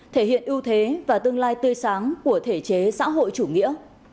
thể hiện ưu thế và tương lai tươi sáng của thể chế xã hội chủ nghĩa